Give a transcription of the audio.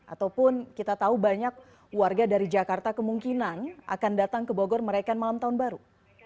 ataupun kita tahu banyak warga dari jakarta kemungkinan akan datang ke bogor mereka malam tahun baru